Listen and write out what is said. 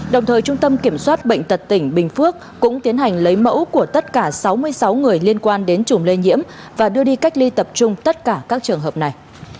đồng thời trung tâm kiểm soát bệnh tật tỉnh bình phước cũng tiến hành lấy mẫu của tất cả sáu mươi sáu người liên quan đến chùm lây nhiễm và đưa đi cách ly tập trung tất cả các trường hợp này